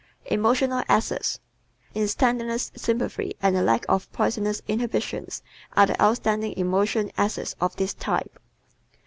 Emotional Assets ¶ Instantaneous sympathy and the lack of poisonous inhibitions are the outstanding emotional assets of this type.